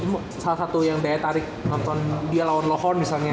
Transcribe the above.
ini salah satu yang daya tarik nonton dia lawan lawan misalnya